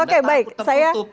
oke baik saya